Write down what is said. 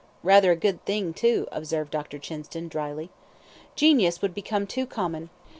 "Rather a good thing, too," observed Dr. Chinston, dryly. "Genius would become too common."